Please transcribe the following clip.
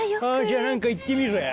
じゃ何か言ってみろよ。